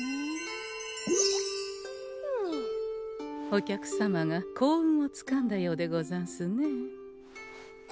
お客様が幸運をつかんだようでござんすね。